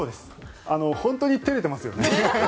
本当に照れてますよね